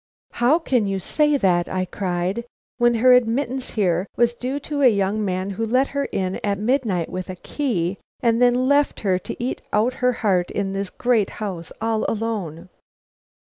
"How can you say that," I cried, "when her admittance here was due to a young man who let her in at midnight with a key, and then left her to eat out her heart in this great house all alone."